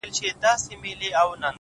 دا مه وايه چي ژوند تر مرگ ښه دی ـ